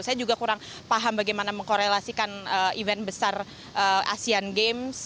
saya juga kurang paham bagaimana mengkorelasikan event besar asian games yang mungkin yang didatangi oleh